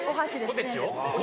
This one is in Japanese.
・ポテチを？